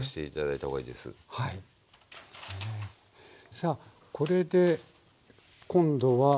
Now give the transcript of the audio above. さあこれで今度は。